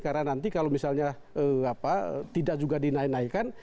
karena nanti kalau misalnya tidak juga dinaik naikan